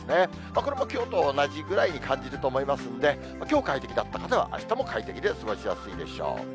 これもきょうと同じぐらいに感じると思いますんで、きょう快適だった方は、あしたも快適で過ごしやすいでしょう。